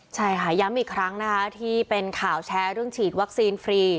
ใช่ค่ะย้ำอีกครั้งนะคะที่เป็นข่าวแชร์เรื่องฉีดวัคซีนฟรี